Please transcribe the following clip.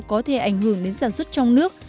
có thể ảnh hưởng đến sản xuất trong nước